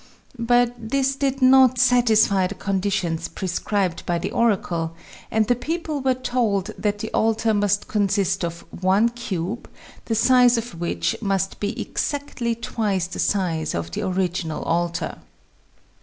But this did not satisfy the conditions pre scribed by the oracle, and the people were told that the altar must consist of one cube, the size of which must be exactly twice the size of the original altar.